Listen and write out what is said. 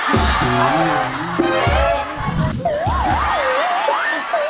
พี่หอยคิดถึงอัปเดตมากเลยนะพี่หอยบอก